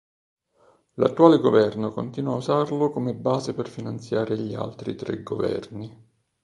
L'attuale governo continua a usarlo come base per finanziare gli altri tre governi.